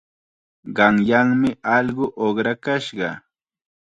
Qanyanmi allqu uqrakashqa.